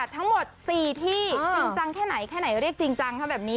ทั้งหมด๔ที่จริงจังแค่ไหนแค่ไหนเรียกจริงจังค่ะแบบนี้